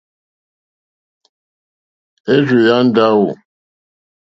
Érzù yá ndáwò.